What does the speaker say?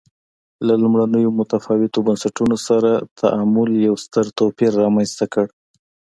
له لومړنیو متفاوتو بنسټونو سره تعامل یو ستر توپیر رامنځته کړ.